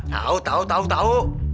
tau tau tau tau